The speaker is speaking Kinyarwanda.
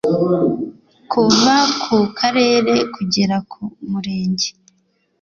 kuva ku Karere kugera ku murenge